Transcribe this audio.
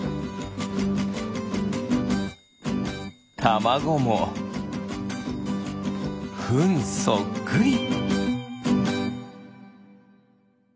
たまごもフンそっくり。